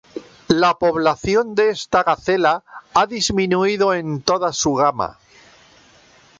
La población de esta gacela ha disminuido en toda su gama.